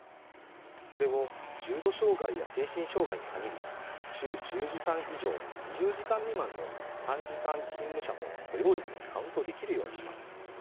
これを重度障害や精神障害に限り週１０時間以上２０時間未満の短時間勤務者も雇用率にカウントできるようにします。